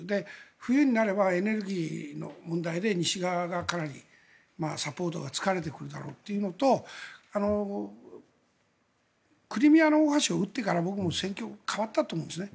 冬になればエネルギーの問題で西側が、かなりサポートが疲れてくるだろうというのとクリミアの大橋を撃ってから僕も戦況が変わったと思うんですね。